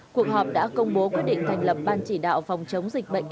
cuộc họp đã công bố quyết định thành lập ban chỉ đạo phòng chống dịch bệnh